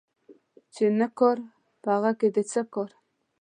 چي نه کار ، په هغه دي څه کار